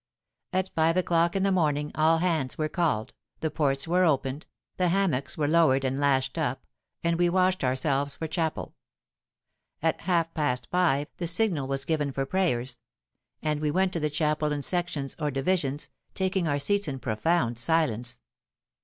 At five o'clock in the morning all hands were called, the ports were opened, the hammocks were lowered and lashed up, and we washed ourselves for chapel. At half past five the signal was given for prayers; and we went to the chapel in sections, or divisions, taking our seats in profound silence.